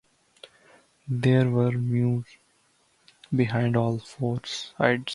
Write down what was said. There were mews behind all four sides.